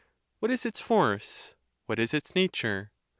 what is its force? what its nature?